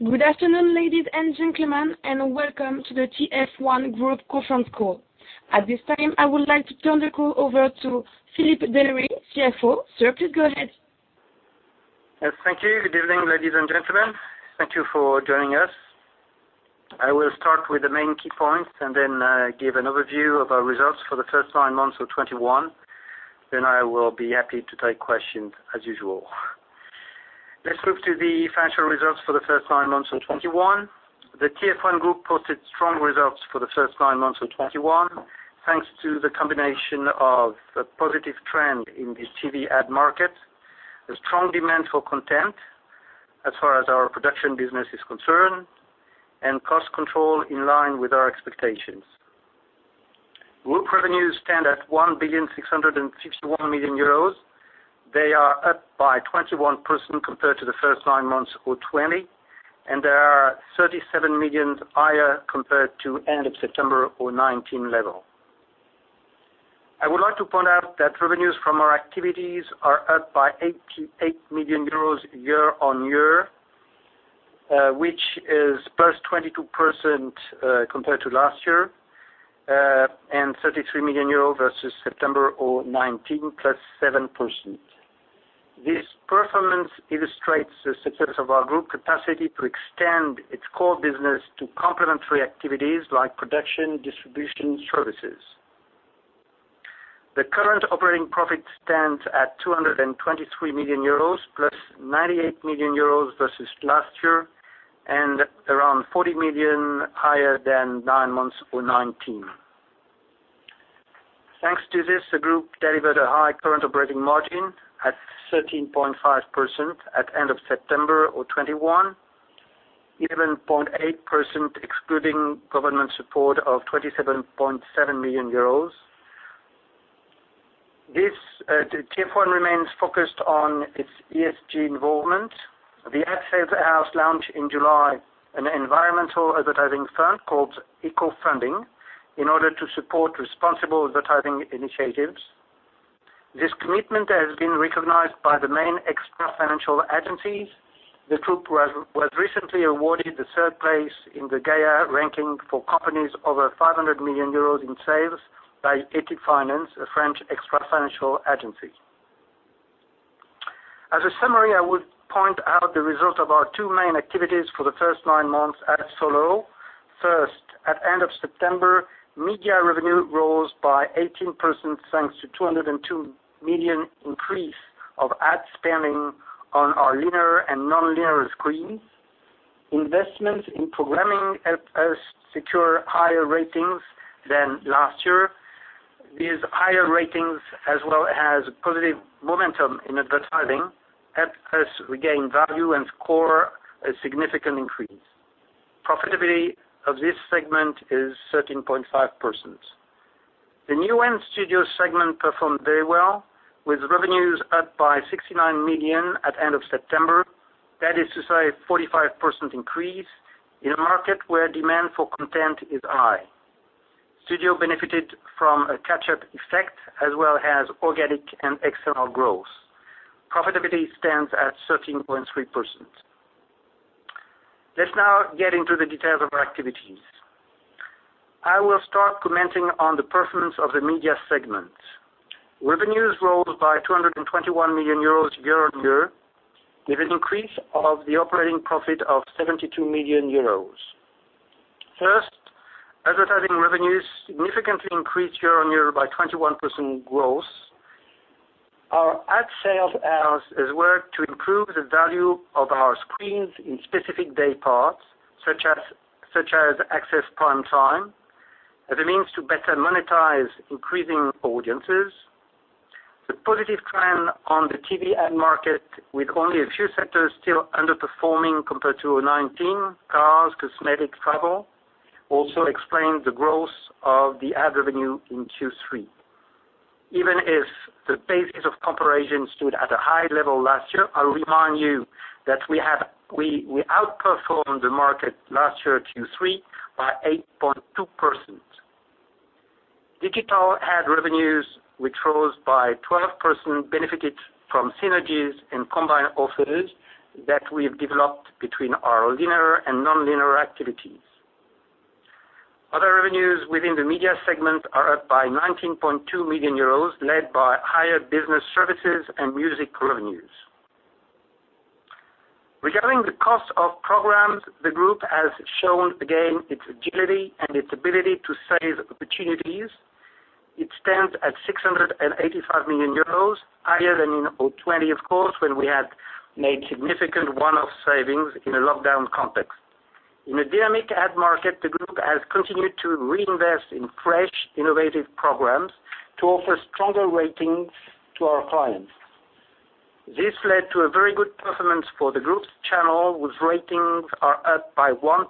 Good afternoon, ladies and gentlemen, and welcome to the TF1 Group Conference Call. At this time, I would like to turn the call over to Philippe Denery, CFO. Sir, please go ahead. Yes, thank you. Good evening, ladies and gentlemen. Thank you for joining us. I will start with the main key points and then give an Overview of our Results for the First Nine Months of 2021. Then I will be happy to take questions as usual. Let's move to the Financial Results for the First Nine Months of 2021. The TF1 Group posted strong results for the first nine months of 2021, thanks to the combination of a positive trend in the TV ad market, a strong demand for content as far as our production business is concerned, and cost control in line with our expectations. Group revenues stand at 1.661 billion. They are up by 21% compared to the first nine months of 2020, and they are 37 million higher compared to end of September 2019 level. I would like to point out that revenues from our activities are up by 88 million euros year-on-year, which is +22%, compared to last year, and 33 million euros versus September 2019, +7%. This performance illustrates the success of our group capacity to extend its core business to complementary activities like production, distribution, services. The current operating profit stands at 223 million euros, +98 million euros versus last year, and around 40 million higher than nine months of 2019. Thanks to this, the group delivered a high current operating margin at 13.5% at end of September 2021, 11.8% excluding government support of 27.7 million euros. The TF1 remains focused on its ESG involvement. The Ad Safe House launched in July an environmental advertising fund called EcoFunding in order to support responsible advertising initiatives. This commitment has been recognized by the main extra-financial agencies. The group was recently awarded the third place in the GAIA ranking for companies over 500 million euros in sales by EthiFinance, a French extra-financial agency. As a summary, I would point out the result of our two main activities for the first nine months as follows. First, at the end of September, media revenue rose by 18%, thanks to 202 million increase of ad spending on our linear and non-linear screens. Investments in programming helped us secure higher ratings than last year. These higher ratings, as well as positive momentum in advertising, helped us regain value and score a significant increase. Profitability of this segment is 13.5%. The Newen Studios segment performed very well, with revenues up by 69 million at end of September. That is to say, a 45% increase in a market where demand for content is high. Studio benefited from a catch-up effect as well as organic and external growth. Profitability stands at 13.3%. Let's now get into the details of our activities. I will start commenting on the performance of the media segment. Revenues rose by 221 million euros year-on-year, with an increase of the operating profit of 72 million euros. First, advertising revenues significantly increased year-on-year by 21% growth. Our ad sales has worked to improve the value of our screens in specific day parts, such as access prime time, as a means to better monetize increasing audiences. The positive trend on the TV ad market, with only a few sectors still underperforming compared to 2019, cars, cosmetic, travel, also explain the growth of the ad revenue in Q3. Even if the basis of comparison stood at a high level last year, I'll remind you that we outperformed the market last year Q3 by 8.2%. Digital ad revenues, which rose by 12%, benefited from synergies and combined offers that we've developed between our linear and non-linear activities. Other revenues within the media segment are up by 19.2 million euros, led by higher business services and music revenues. Regarding the cost of programs, the group has shown again its agility and its ability to seize opportunities. It stands at 685 million euros, higher than in 2020, of course, when we had made significant one-off savings in a lockdown context. In a dynamic ad market, the group has continued to reinvest in fresh, innovative programs to offer stronger ratings to our clients. This led to a very good performance for the group's channel, whose ratings are up by 1.2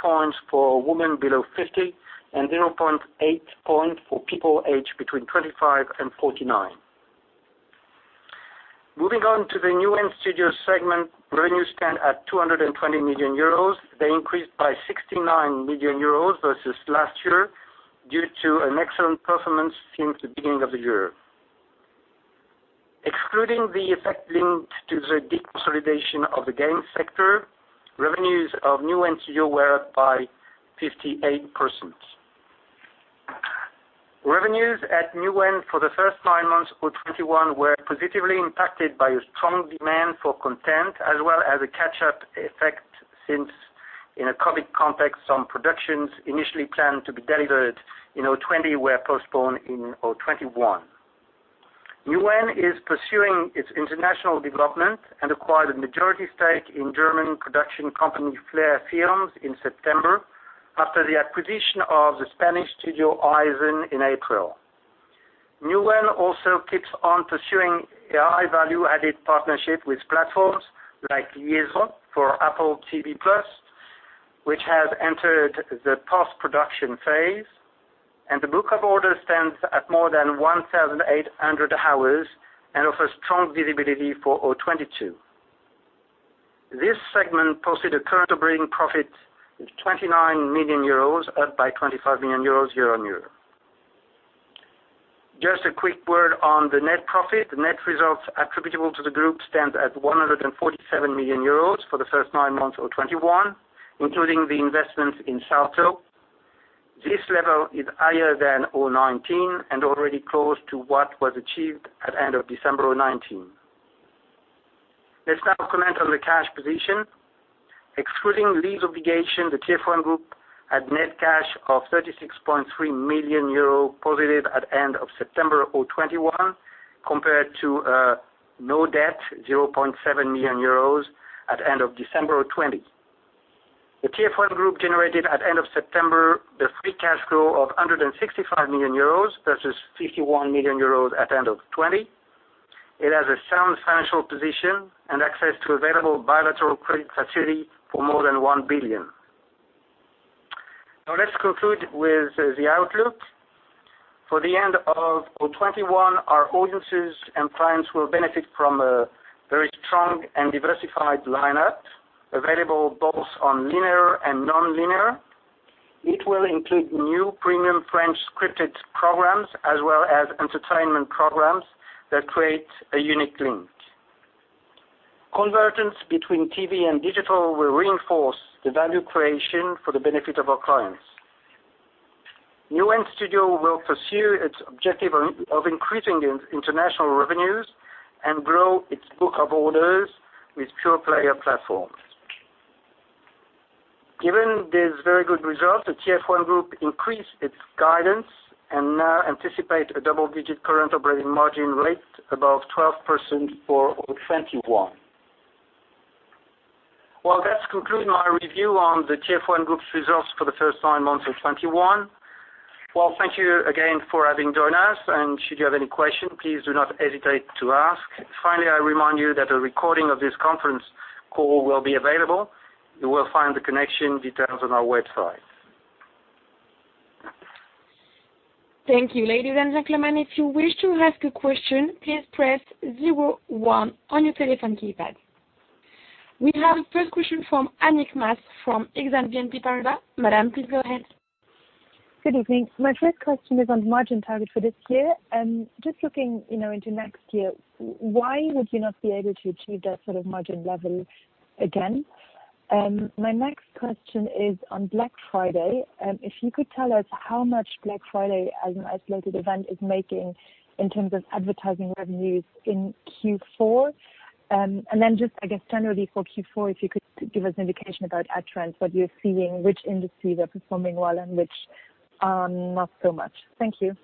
points for women below 50 and 0.8 points for people aged between 25 and 49. Moving on to the Newen Studios segment, revenues stand at 220 million euros. They increased by 69 million euros versus last year due to an excellent performance since the beginning of the year. Excluding the effect linked to the deconsolidation of the game sector, revenues of Newen Studios were up by 58%. Revenues at Newen for the first nine months of 2021 were positively impacted by a strong demand for content as well as a catch-up effect, since in a COVID context, some productions initially planned to be delivered in 2020 were postponed in 2021. Newen is pursuing its international development and acquired a majority stake in German production company Flare Film in September after the acquisition of the Spanish studio iZen in April. Newen also keeps on pursuing a high value-added partnership with platforms like Liaison for Apple TV+, which has entered the post-production phase, and the book of orders stands at more than 1,800 hours and offers strong visibility for 2022. This segment posted a current operating profit of 29 million euros, up by 25 million euros year-on-year. Just a quick word on the net profit. Net results attributable to the group stands at 147 million euros for the first nine months of 2021, including the investment in Salto. This level is higher than 2019 and already close to what was achieved at end of December 2019. Let's now comment on the cash position. Excluding lease obligations, the TF1 Group had net cash of 36.3 million euro positive at end of September 2021, compared to net debt, 0.7 million euros at end of December 2020. The TF1 Group generated at end of September the free cash flow of 165 million euros versus 51 million euros at end of 2020. It has a sound financial position and access to available bilateral credit facility for more than 1 billion. Now let's conclude with the outlook. For the end of 2021, our audiences and clients will benefit from a very strong and diversified lineup available both on linear and nonlinear. It will include new premium French scripted programs as well as entertainment programs that create a unique link. Convergence between TV and digital will reinforce the value creation for the benefit of our clients. Newen Studios will pursue its objective of increasing international revenues and grow its book of orders with pure player platforms. Given these very good results, the TF1 Group increased its guidance and now anticipate a double-digit current operating margin rate above 12% for 2021. Well, that concludes my review on the TF1 Group's results for the first nine months of 2021. Well, thank you again for having joined us, and should you have any questions, please do not hesitate to ask. Finally, I remind you that a recording of this conference call will be available. You will find the connection details on our website. Thank you. Ladies and gentlemen, if you wish to ask a question, please press zero one on your telephone keypad. We have the first question from Annick Maas from Exane BNP Paribas. Madam, please go ahead. Good evening. My first question is on margin target for this year. Just looking, you know, into next year, why would you not be able to achieve that sort of margin level again? My next question is on Black Friday. If you could tell us how much Black Friday as an isolated event is making in terms of advertising revenues in Q4? Just I guess generally for Q4, if you could give us an indication about ad trends, what you're seeing, which industries are performing well and which are not so much? Thank you.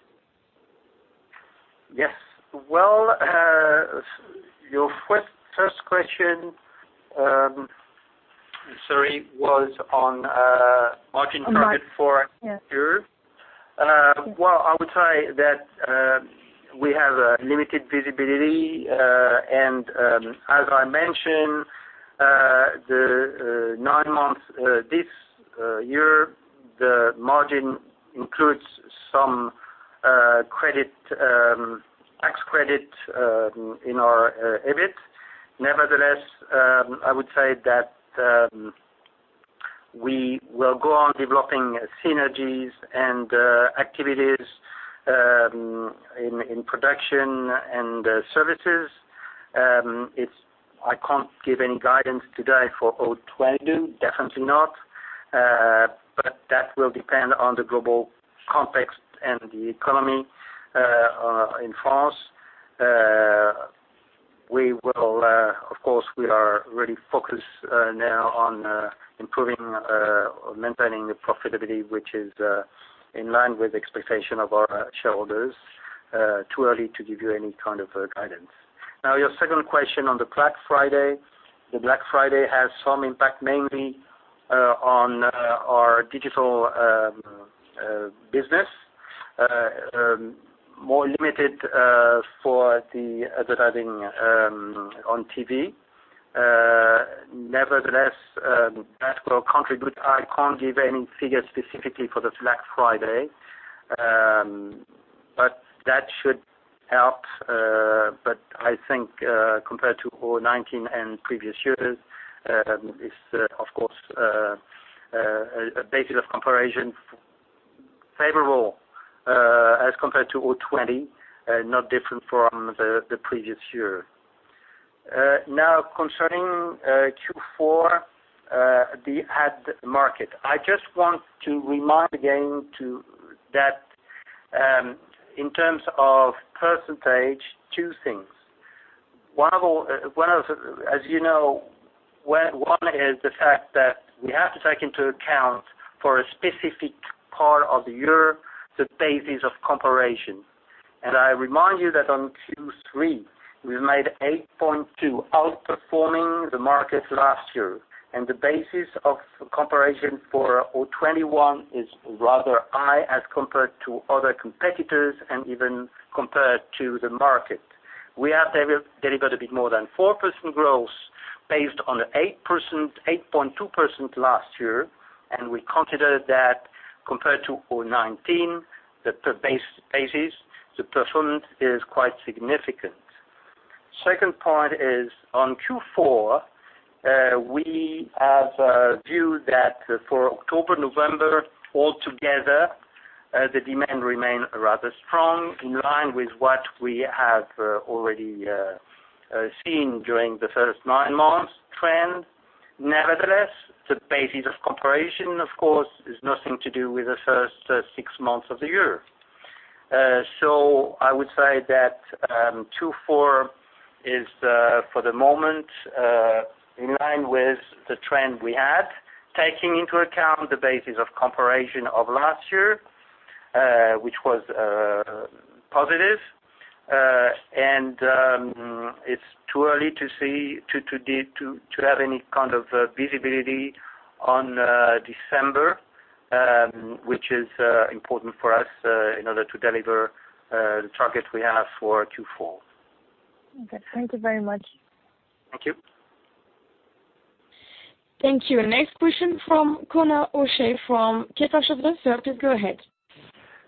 Yes. Well, your first question, sorry, was on margin target for next year. Yeah. Well, I would say that we have limited visibility, and as I mentioned, the nine months this year, the margin includes some tax credit in our EBIT. Nevertheless, I would say that we will go on developing synergies and activities in production and services. I can't give any guidance today for 2022, definitely not. That will depend on the global context and the economy in France. Of course, we are really focused now on maintaining the profitability, which is in line with the expectation of our shareholders. Too early to give you any kind of guidance. Now, your second question on the Black Friday. The Black Friday has some impact mainly on our digital business, more limited for the advertising on TV. Nevertheless, that will contribute. I can't give any figures specifically for the Black Friday, but that should help. I think, compared to 2019 and previous years, is of course a basis of comparison favorable, as compared to 2020, not different from the previous year. Now concerning Q4, the ad market. I just want to remind again that, in terms of percentage, two things. First of all, as you know, one is the fact that we have to take into account for a specific part of the year the basis of comparison. I remind you that on Q3, we made 8.2% outperforming the market last year, and the basis of comparison for Q1 2021 is rather high as compared to other competitors and even compared to the market. We have delivered a bit more than 4% growth based on the 8%, 8.2% last year, and we consider that compared to Q1 2019, the basis, the performance is quite significant. Second point is on Q4, we have viewed that for October, November altogether, the demand remained rather strong, in line with what we have already seen during the first nine months trend. Nevertheless, the basis of comparison, of course, is nothing to do with the first six months of the year. I would say that Q4 is for the moment in line with the trend we had, taking into account the basis of comparison of last year, which was positive. It's too early, to date, to have any kind of visibility on December, which is important for us in order to deliver the target we have for Q4. Okay. Thank you very much. Thank you. Thank you. Next question from Conor O'Shea from Kepler Cheuvreux. Please go ahead.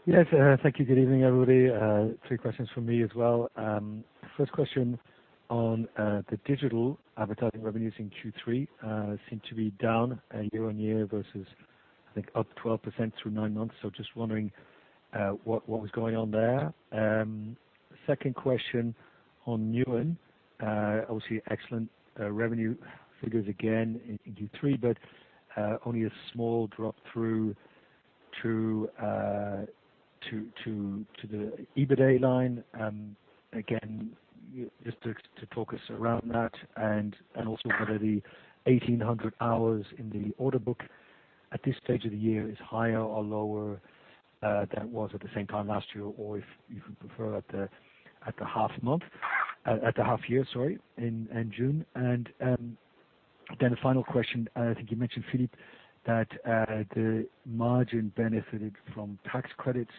Yes. Thank you. Good evening, everybody. Three questions from me as well. First question on the digital advertising revenues in Q3 seem to be down year-on-year versus, I think, up 12% through nine months. So just wondering what was going on there. Second question on Newen. Obviously, excellent revenue figures again in Q3, but only a small drop through to the EBITA line. Again, just to talk us around that and also whether the 1,800 hours in the order book at this stage of the year is higher or lower than it was at the same time last year, or if you prefer at the half year, sorry, in June. Then a final question. I think you mentioned, Philippe, that the margin benefited from tax credits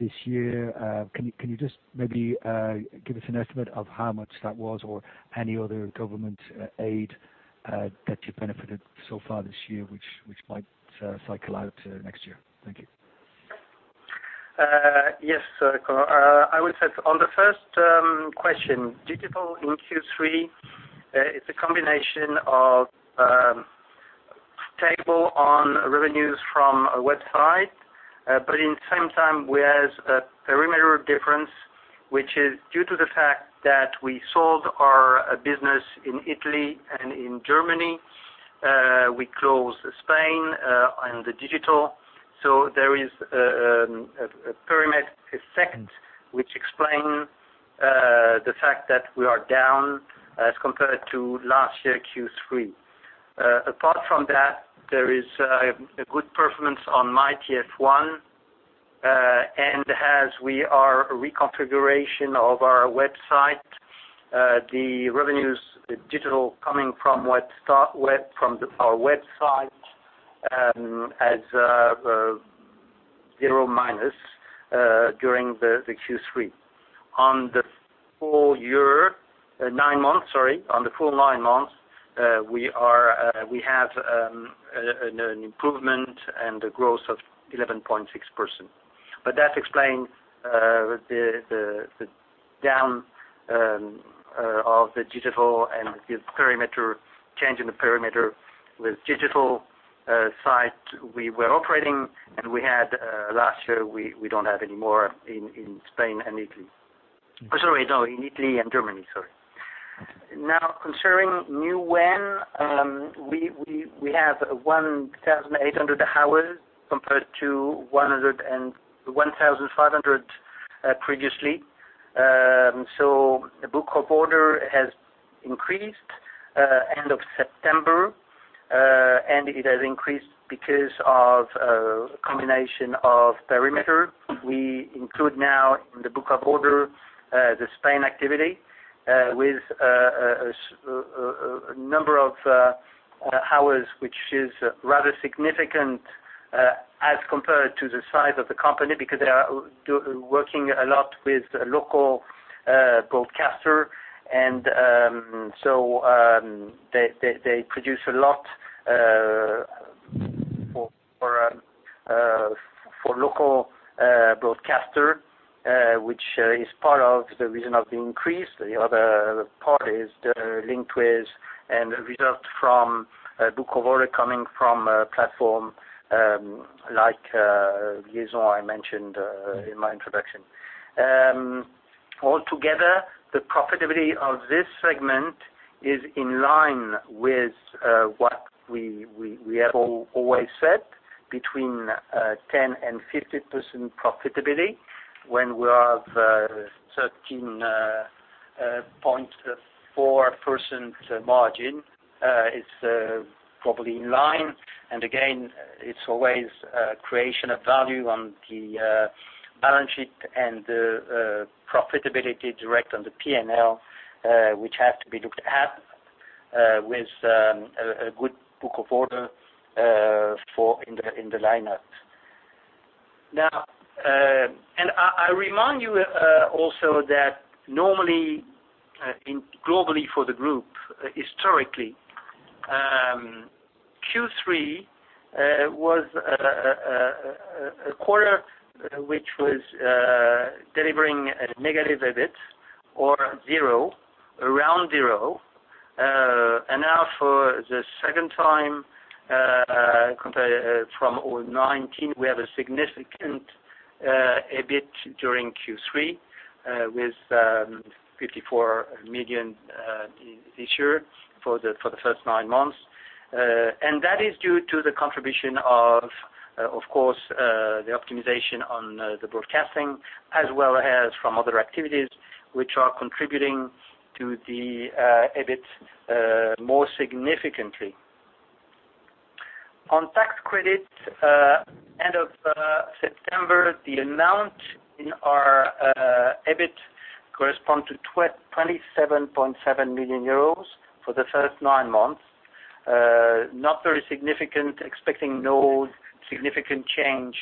this year. Can you just maybe give us an estimate of how much that was or any other government aid that you benefited so far this year, which might cycle out next year? Thank you. Yes, Conor. I would say on the first question, digital in Q3, it's a combination of stable on revenues from a website. In the same time, we has a perimeter difference, which is due to the fact that we sold our business in Italy and in Germany. We closed Spain and the digital. There is a perimeter effect which explain the fact that we are down as compared to last year, Q3. Apart from that, there is a good performance on MyTF1. As we are reconfiguration of our website, the revenues, digital coming from web, from our website, as zero minus during the Q3. On the full nine months, we have an improvement and a growth of 11.6%. That explains the down of the digital and the perimeter change in the perimeter with digital site we were operating, and we had last year we don't have any more in Italy and Germany. Now, concerning Newen, we have 1,800 hours compared to 1,500 previously. So the book of order has increased end of September, and it has increased because of a combination of perimeter. We include now in the order book the Spanish activity with a number of hours which is rather significant as compared to the size of the company because they are doing work a lot with local broadcaster. So they produce a lot for local broadcaster which is part of the reason of the increase. The other part is the link with and the result from order book coming from a platform like Liaison I mentioned in my introduction. Altogether, the profitability of this segment is in line with what we have always said, between 10%-50% profitability. When we have 13.4% margin, it's probably in line. Again, it's always creation of value on the balance sheet and the profitability directly on the PNL, which have to be looked at with a good book of order for in the lineup. Now, I remind you also that normally globally for the group historically, Q3 was a quarter which was delivering a negative EBIT or zero, around zero. Now for the second time compared from 2019, we have a significant EBIT during Q3 with 54 million this year for the first nine months. That is due to the contribution of course the optimization on the broadcasting as well as from other activities which are contributing to the EBIT more significantly. On tax credit, end of September, the amount in our EBIT correspond to 27.7 million euros for the first nine months. Not very significant. Expecting no significant change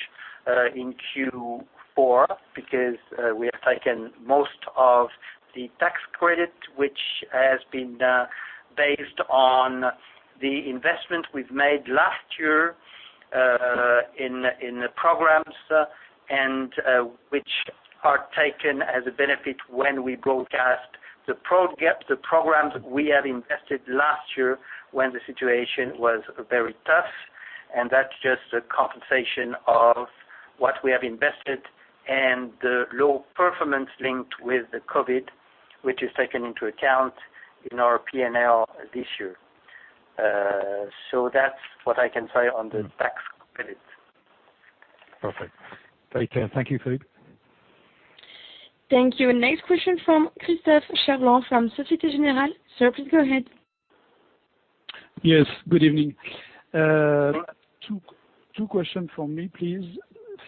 in Q4 because we have taken most of the tax credit, which has been based on the investment we've made last year in the programs and which are taken as a benefit when we broadcast the programs we have invested last year when the situation was very tough. That's just a compensation of what we have invested and the low performance linked with the COVID, which is taken into account in our PNL this year. That's what I can say on the tax credit. Perfect. Very clear. Thank you, Philippe. Thank you. Next question from Christophe Charlot from Société Générale. Sir, please go ahead. Yes, good evening. Two questions from me, please.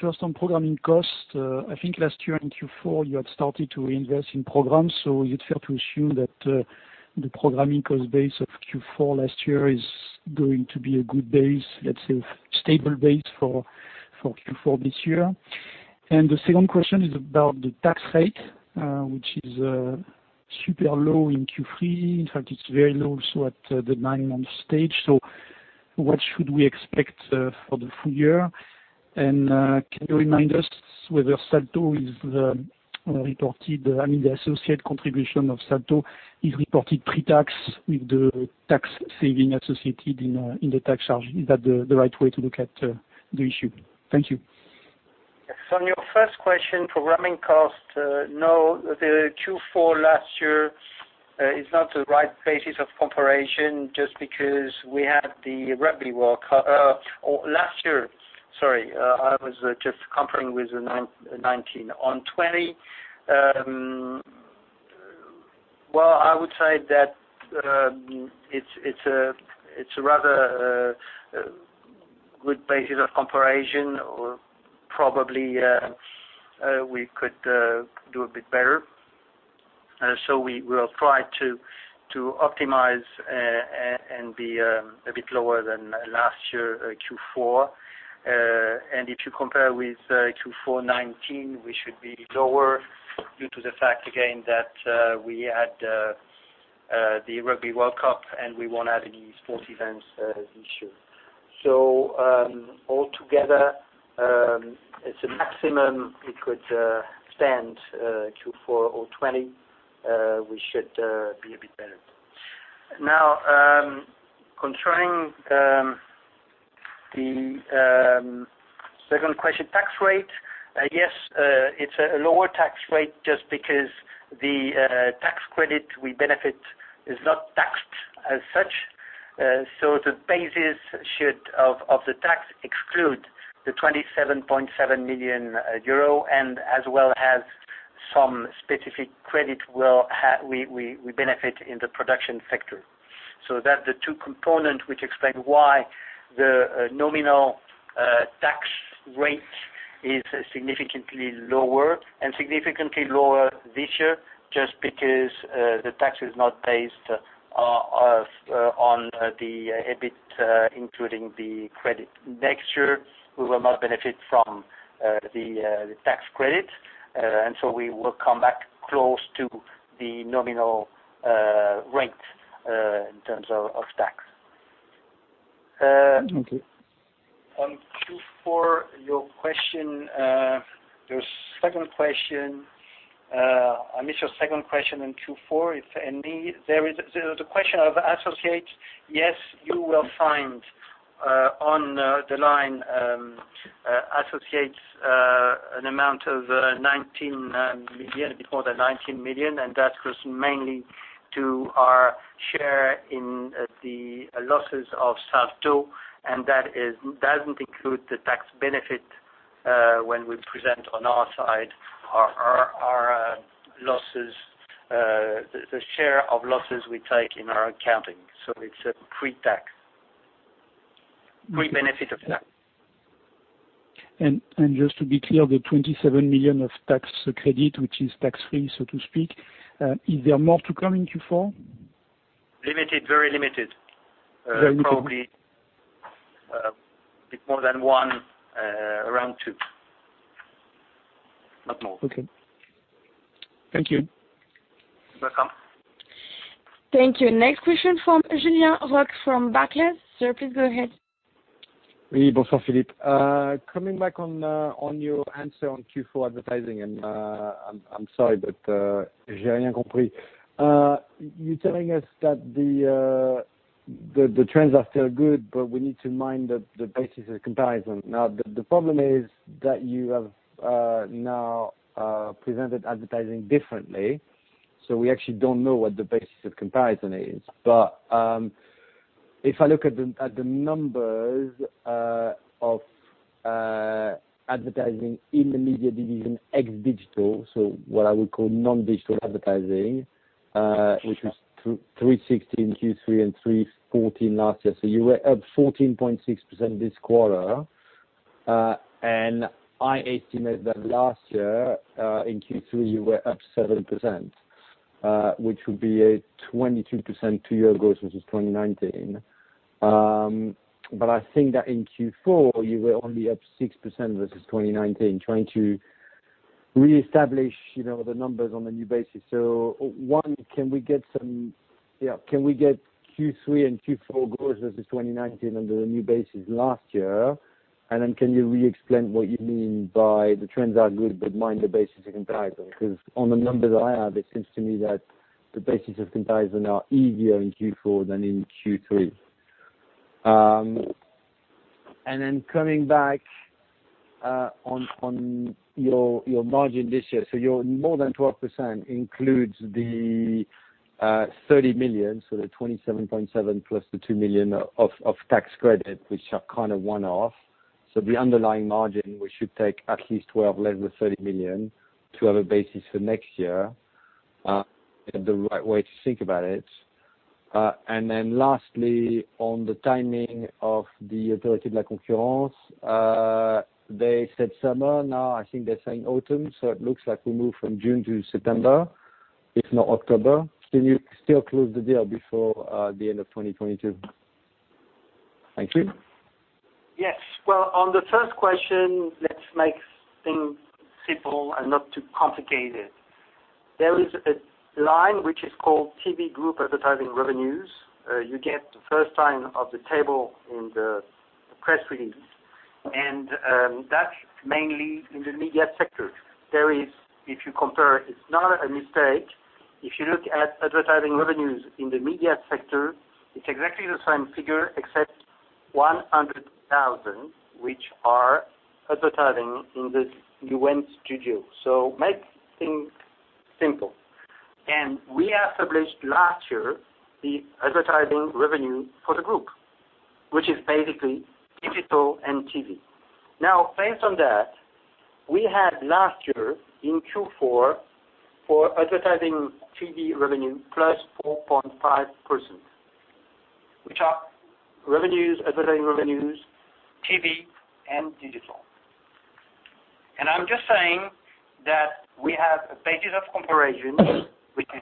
First, on programming costs, I think last year in Q4, you had started to reinvest in programs. It's fair to assume that the programming cost base of Q4 last year is going to be a good base, let's say, stable base for Q4 this year. The second question is about the tax rate, which is super low in Q3. In fact, it's very low also at the nine-month stage. What should we expect for the full year? Can you remind us whether Salto is reported, I mean, the associate contribution of Salto is reported pre-tax with the tax saving associated in the tax charge. Is that the right way to look at the issue? Thank you. On your first question, programming cost, no. The Q4 last year is not the right basis of comparison just because we had the Rugby World Cup. Or last year, sorry, I was just comparing with 2019. On 2020, well, I would say that it's a rather good basis of comparison, or probably we could do a bit better. We will try to optimize and be a bit lower than last year Q4. If you compare with Q4 2019, we should be lower due to the fact again that we had the Rugby World Cup, and we won't have any sports events this year. All together, it's a maximum it could stand Q4 2020, we should be a bit better. Now, concerning the second question, tax rate. Yes, it's a lower tax rate just because the tax credit we benefit is not taxed as such. So the basis should of the tax exclude the 27.7 million euro and as well as some specific credit we benefit in the production sector. So that the two component which explain why the nominal tax rate is significantly lower and significantly lower this year just because the tax is not based of on the EBIT including the credit. Next year, we will not benefit from the tax credit, and so we will come back close to the nominal rate in terms of tax. Okay. On Q4, your question, your second question, I missed your second question in Q4, if any. There was a question of associates. Yes, you will find, on the line, associates, an amount of 19 million, a bit more than 19 million, and that was mainly due to our share in the losses of Salto, and that doesn't include the tax benefit, when we present on our side our losses, the share of losses we take in our accounting. So it's a pre-tax. Mm-hmm. Pre-tax benefit. Just to be clear, the 27 million of tax credit, which is tax-free, so to speak, is there more to come in Q4? Limited, very limited. Very limited. Probably a bit more than one, around two. Not more. Okay. Thank you. You're welcome. Thank you. Next question from Julien Roch from Barclays. Sir, please go ahead. Oui, bonjour, Philippe. Coming back on your answer on Q4 advertising, I'm sorry, but you're telling us that the trends are still good, but we need to mind the basis of comparison. Now, the problem is that you have now presented advertising differently, so we actually don't know what the basis of comparison is. If I look at the numbers of advertising in the media division, ex-digital, so what I would call non-digital advertising. Yes. which was 316 Q3 and 314 last year. You were up 14.6% this quarter. I estimate that last year in Q3, you were up 7%, which would be a 22% two years ago, so this is 2019. I think that in Q4, you were only up 6% versus 2019. Trying to reestablish, you know, the numbers on a new basis. One, can we get Q3 and Q4 growth versus 2019 under the new basis last year? Can you re-explain what you mean by the trends are good, but mind the basis of comparison? 'Cause on the numbers I have, it seems to me that the basis of comparison are easier in Q4 than in Q3. Coming back on your margin this year. Your more than 12% includes the 30 million, so the 27.7 plus the 2 million of tax credit, which are kinda one-off. The underlying margin, we should take at least 12% less the 30 million to have a basis for next year, the right way to think about it. Lastly, on the timing of the Autorité de la concurrence, they said summer, now I think they're saying autumn, so it looks like we moved from June to September, if not October. Can you still close the deal before the end of 2022? Thank you. Yes. Well, on the first question, let's make things simple and not too complicated. There is a line which is called TF1 Group advertising revenues. You get the first line of the table in the press release. That's mainly in the media sector. There is, if you compare, it's not a mistake. If you look at advertising revenues in the media sector, it's exactly the same figure except 100,000, which are advertising in the Newen Studios. So make things simple. We established last year the advertising revenue for the group, which is basically digital and TV. Now, based on that, we had last year in Q4 for advertising TV revenue +4.5%, which are revenues, advertising revenues, TV and digital. I'm just saying that we have a basis of comparison we can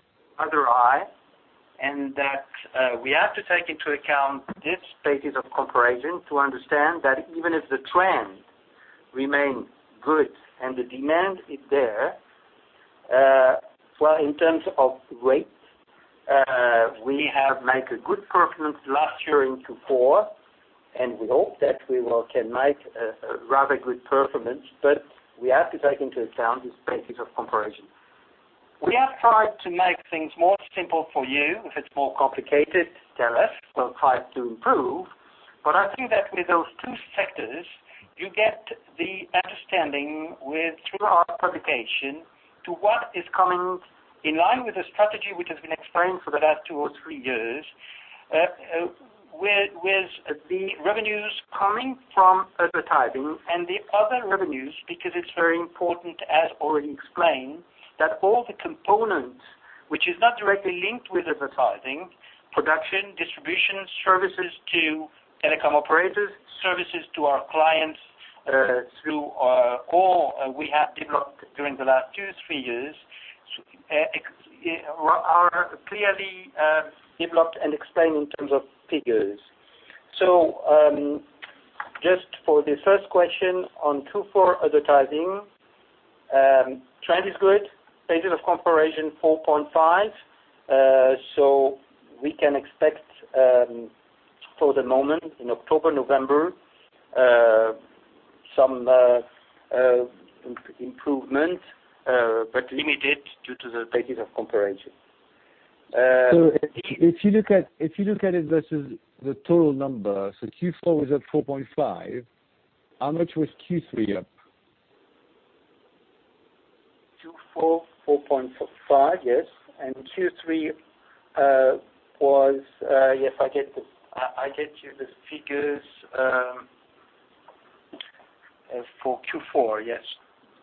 rely, and that we have to take into account this basis of comparison to understand that even if the trend remains good and the demand is there, well, in terms of rates, we have made a good performance last year in Q4, and we hope that we can make a rather good performance, but we have to take into account this basis of comparison. We have tried to make things more simple for you. If it's more complicated, tell us. We'll try to improve. I think that with those two sectors, you get the understanding through our publication to what is coming in line with the strategy which has been explained for the last two or three years. With the revenues coming from advertising and the other revenues, because it's very important, as already explained, that all the components which is not directly linked with advertising, production, distribution, services to telecom operators, services to our clients, through our core we have developed during the last two, three years, are clearly developed and explained in terms of figures. Just for the first question on Q4 advertising trend is good. Basis of comparison, 4.5%. We can expect, for the moment in October, November, some improvement, but limited due to the basis of comparison. If you look at it versus the total number, Q4 was at 4.5. How much was Q3 up? Q4, 4.5. Yes. Q3 was yes. I get you the figures for Q4, yes.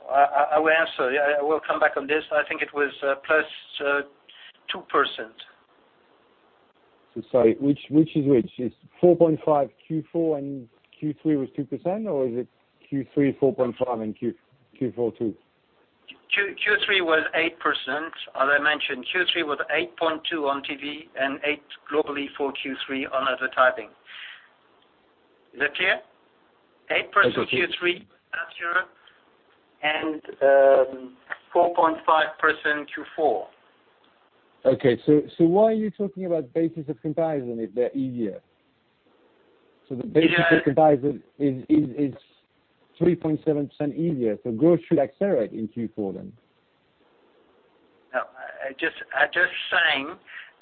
I will answer. Yeah, I will come back on this. I think it was +2%. Sorry, which is which? Is 4.5 Q4 and Q3 was 2%, or is it Q3 4.5 and Q4 2%? Q3 was 8%. As I mentioned, Q3 was 8.2% on TV and 8% globally for Q3 on advertising. Is that clear? That's okay. 8% Q3 last year and 4.5% Q4. Okay. Why are you talking about basis of comparison if they're easier? Yeah. The basis of comparison is 3.7% easier, so growth should accelerate in Q4 then. No, I'm just saying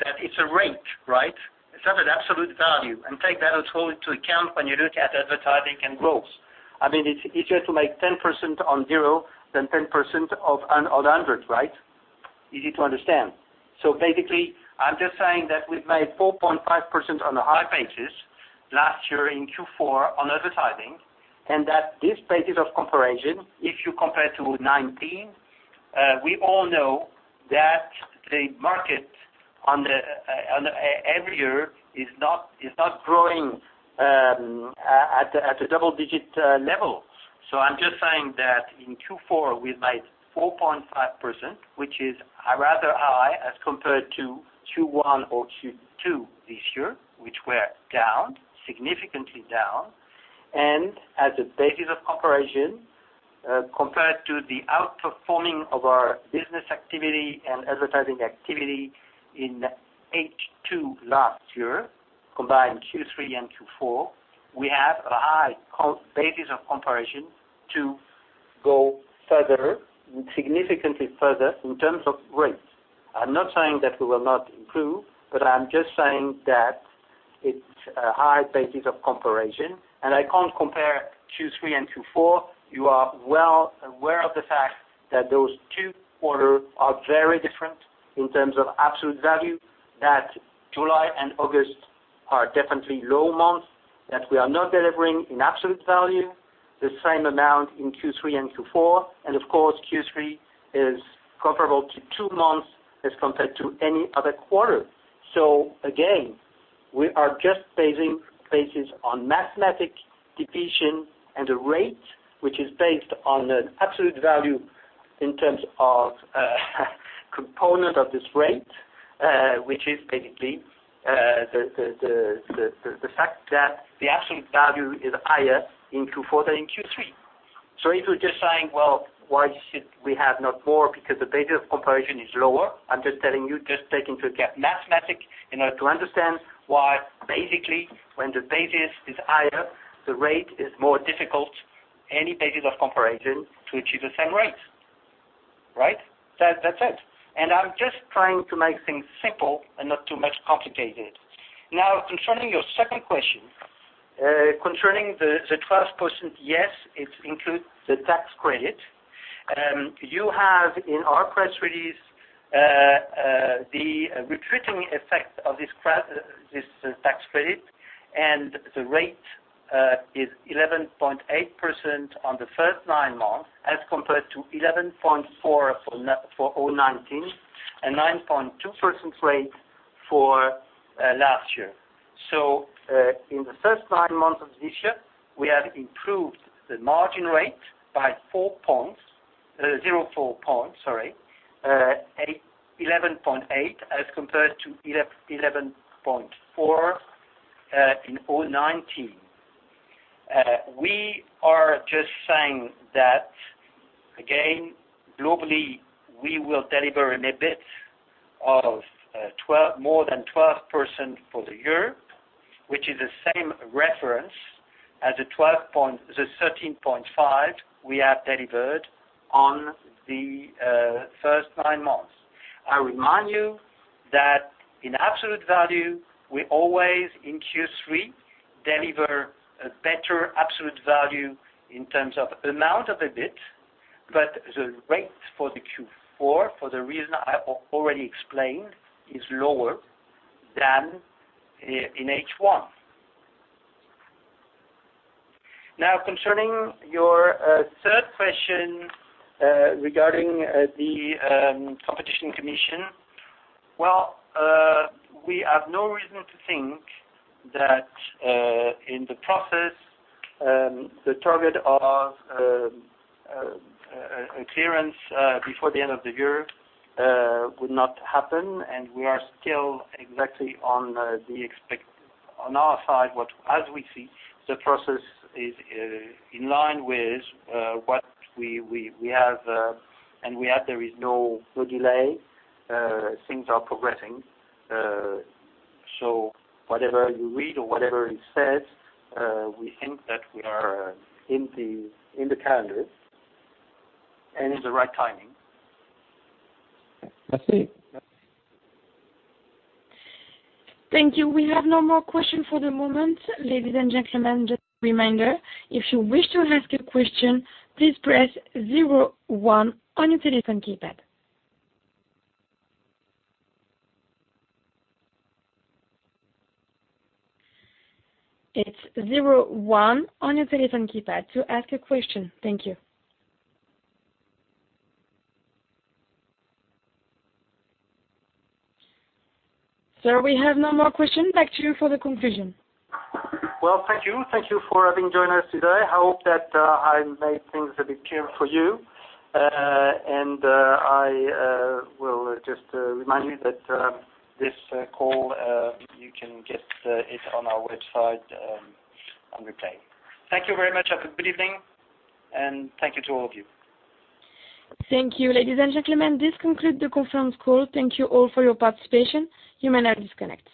that it's a rate, right? It's not an absolute value. Take that also into account when you look at advertising and growth. I mean, it's easier to make 10% on zero than 10% of a hundred, right? Easy to understand. Basically, I'm just saying that we've made 4.5% on a high basis last year in Q4 on advertising, and that this basis of comparison, if you compare to 2019, we all know that the market every year is not growing at a double-digit level. I'm just saying that in Q4 we made 4.5%, which is rather high as compared to Q1 or Q2 this year, which were down significantly. As a basis of comparison, compared to the outperforming of our business activity and advertising activity in H2 last year, combined Q3 and Q4, we have a high basis of comparison to go further, significantly further in terms of rates. I'm not saying that we will not improve, but I'm just saying that it's a high basis of comparison, and I can't compare Q3 and Q4. You are well aware of the fact that those two quarters are very different in terms of absolute value, that July and August are definitely low months, that we are not delivering in absolute value the same amount in Q3 and Q4. Of course, Q3 is comparable to two months as compared to any other quarter. Again, we are just basing on mathematical division and the rate which is based on an absolute value in terms of component of this rate, which is basically the fact that the absolute value is higher in Q4 than in Q3. If you're just saying, "Well, why should we have not more?" Because the basis of comparison is lower. I'm just telling you, just take into account mathematics in order to understand why basically when the basis is higher, the rate is more difficult any basis of comparison to achieve the same rate. Right? That's it. I'm just trying to make things simple and not too complicated. Now concerning your second question, concerning the 12%, yes, it includes the tax credit. You have in our press release the recurring effect of this tax credit, and the rate is 11.8% on the first nine months as compared to 11.4 for 2019, and 9.2% rate for last year. In the first nine months of this year, we have improved the margin rate by 0.4 points, sorry, 11.8 as compared to 11.4 in 2019. We are just saying that again, globally, we will deliver an EBIT of more than 12% for the year, which is the same reference as the 13.5 we have delivered on the first nine months. I remind you that in absolute value, we always in Q3 deliver a better absolute value in terms of amount of EBIT, but the rate for the Q4, for the reason I already explained, is lower than in H1. Now concerning your third question regarding the Autorité de la concurrence, well, we have no reason to think that in the process the target of a clearance before the end of the year would not happen, and we are still exactly on track. On our side, as we see, the process is in line with what we have, and there is no delay. Things are progressing. Whatever you read or whatever is said, we think that we are in the calendar and in the right timing. That's it. Yeah. Thank you. We have no more question for the moment. Ladies and gentlemen, just a reminder, if you wish to ask a question, please press zero one on your telephone keypad. It's zero one on your telephone keypad to ask a question. Thank you. Sir, we have no more question. Back to you for the conclusion. Well, thank you. Thank you for having joined us today. I hope that I made things a bit clear for you. I will just remind you that this call, you can get it on our website on replay. Thank you very much. Have a good evening, and thank you to all of you. Thank you. Ladies and gentlemen, this concludes the conference call. Thank you all for your participation. You may now disconnect.